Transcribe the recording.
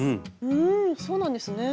うんそうなんですね。